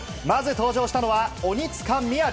まず登場したのは鬼塚雅。